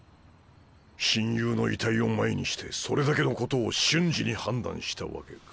親友の遺体を前にしてそれだけのことを瞬時に判断したわけか。